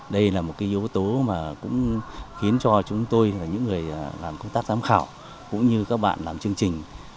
đây là một cái yếu tố mà cũng khiến cho chúng tôi là những người làm công tác giám khảo cũng như các bạn làm chương trình